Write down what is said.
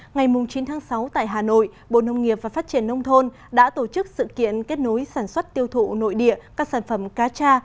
ngày chín tháng sáu tại hà nội bộ nông nghiệp và phát triển nông thôn đã tổ chức sự kiện kết nối sản xuất tiêu thụ nội địa các sản phẩm cá cha